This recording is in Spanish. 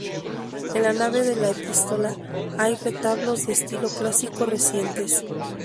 En la nave de la epístola hay retablos de estilo clásico recientes.